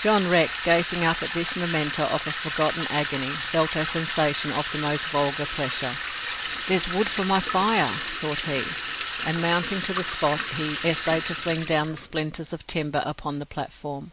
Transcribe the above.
John Rex, gazing up at this memento of a forgotten agony, felt a sensation of the most vulgar pleasure. "There's wood for my fire!" thought he; and mounting to the spot, he essayed to fling down the splinters of timber upon the platform.